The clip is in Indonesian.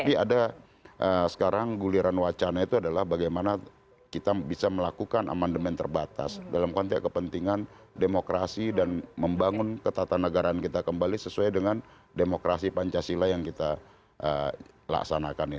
tapi ada sekarang guliran wacana itu adalah bagaimana kita bisa melakukan amandemen terbatas dalam konteks kepentingan demokrasi dan membangun ketatanegaraan kita kembali sesuai dengan demokrasi pancasila yang kita laksanakan